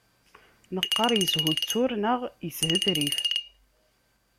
Neqqar yeshuttur neɣ yeshetrif.